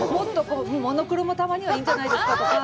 モノクロもたまにはいいんじゃないですか、とか。